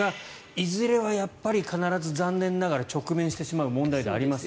いずれはやっぱり必ず残念ながら直面してしまう問題であります